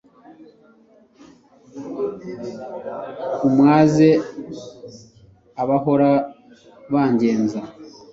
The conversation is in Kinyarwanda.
umwaze abahora bangenza